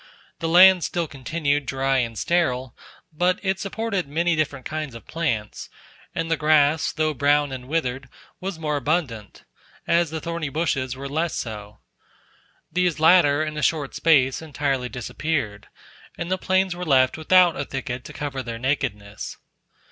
The land still continued dry and sterile: but it supported many different kinds of plants, and the grass, though brown and withered, was more abundant, as the thorny bushes were less so. These latter in a short space entirely disappeared, and the plains were left without a thicket to cover their nakedness.